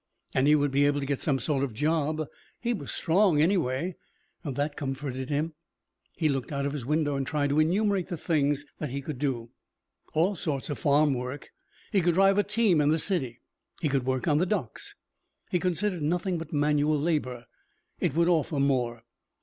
And he would be able to get some sort of job. He was strong, anyway. That comforted him. He looked out of his window and tried to enumerate the things that he could do. All sorts of farm work. He could drive a team in the city. He could work on the docks. He considered nothing but manual labor. It would offer more.